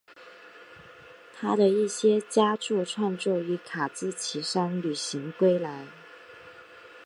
他的一些佳作创作于卡兹奇山旅行归来。